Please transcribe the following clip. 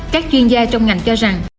các chuyên gia trong ngành cho rằng